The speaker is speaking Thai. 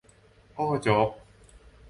โอ้ โจ๊ก !